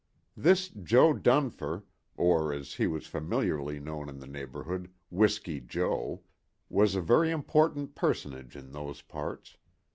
This Jo. Dunfer—or, as he was familiarly known in the neighborhood, Whisky Jo.—was a very important personage in those parts.